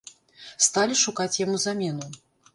Сталі шукаць яму замену.